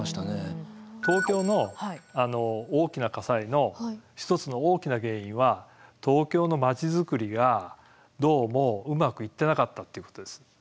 東京の大きな火災の一つの大きな原因は東京の町づくりがどうもうまくいってなかったっていうことです。